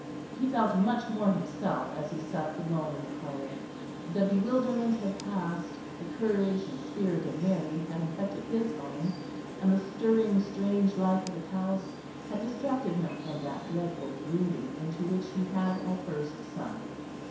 He felt much more himself as he supped alone in the parlour. The bewilderment had passed; the courage and spirit of Mary had infected his own, and the stirring strange life of the palace had distracted him from that dreadful brooding into which he had at first sunk.